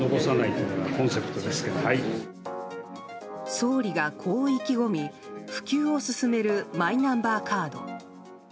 総理がこう意気込み普及を進めるマイナンバーカード。